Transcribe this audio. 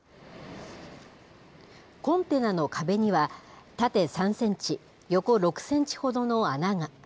コンテナの壁には、縦３センチ、横６センチほどの穴が。